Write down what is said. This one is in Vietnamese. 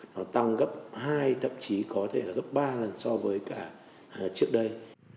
nó tăng gấp hai thậm chí có thể là gấp ba lần so với cả trước đây